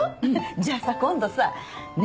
じゃあさ今度さね